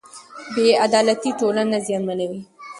بې عدالتي ټولنه زیانمنوي.